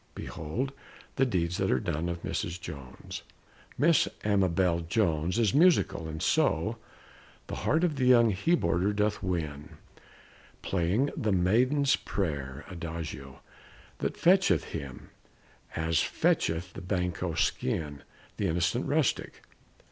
Behold the deeds that are done of Mrs. Jones! Miss Amabel Jones is musical, and so The heart of the young he boardèr doth win, Playing "The Maiden's Prayer," adagio That fetcheth him, as fetcheth the banco skin The innocent rustic.